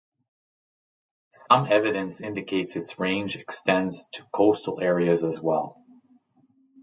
Some evidence indicates its range extends to coastal areas, as well.